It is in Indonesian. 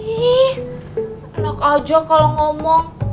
ih anak aja kalau ngomong